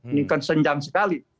ini kan senjang sekali